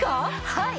はい。